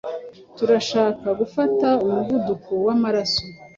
Turashaka gufata umuvuduko wamaraso.